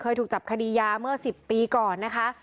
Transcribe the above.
เคยถูกจับคดียาเมื่อ๑๐ปีก่อนนะคะ